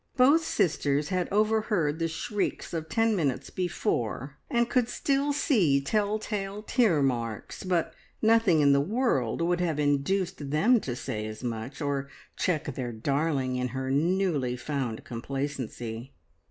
Both sisters had overheard the shrieks of ten minutes before and could still see tell tale tear marks, but nothing in the world would have induced them to say as much or check their darling in her newly found complacency.